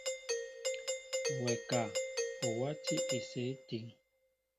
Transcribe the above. Wɛ ka, o wátī esew étíŋ ?